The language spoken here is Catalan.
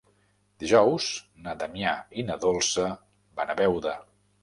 Dijous na Damià i na Dolça van a Beuda.